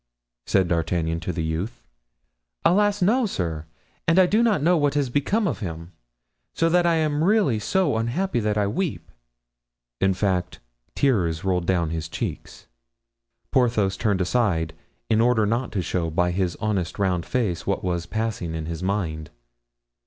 said D'Artagnan to the youth. "Alas! sir, no, and I do not know what has become of him; so that I am really so unhappy that I weep." In fact, tears rolled down his cheeks. Porthos turned aside, in order not to show by his honest round face what was passing in his mind.